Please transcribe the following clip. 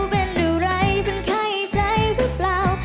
เป็นหรือไรเป็นไข้ใจหรือเปล่า